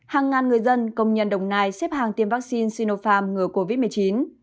hàng ngàn người dân công nhân đồng nai xếp hàng tiêm vaccine sinopharm ngừa covid một mươi chín